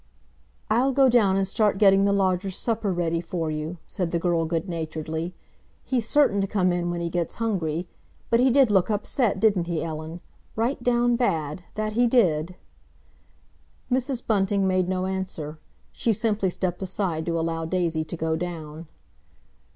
"I'll go down and start getting the lodger's supper ready for you," said the girl good naturedly. "He's certain to come in when he gets hungry. But he did look upset, didn't he, Ellen? Right down bad—that he did!" Mrs. Bunting made no answer; she simply stepped aside to allow Daisy to go down.